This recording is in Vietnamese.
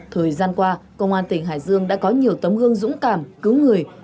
thời gian qua công an tỉnh hải dương đã có nhiều tấm gương dũng cảm cứu người